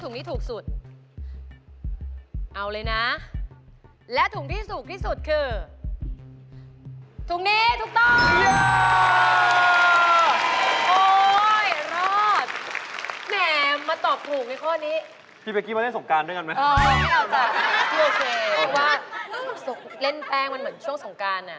ข้อนี้ทำให้ทุกคู่นะคะ